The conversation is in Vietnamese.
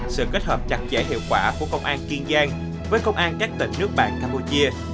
sự kết hợp chặt chẽ hiệu quả của công an kiên giang với công an các tỉnh nước bạn campuchia